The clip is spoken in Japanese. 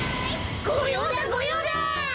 ごようだごようだ！